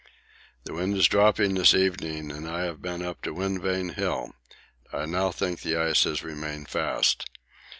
The wind is dropping this evening, and I have been up to Wind Vane Hill. I now think the ice has remained fast.